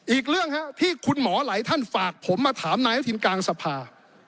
อีกเรื่องที่คุณหมอหลายท่านฝากผมมาถามนายอนุทินกลางสภา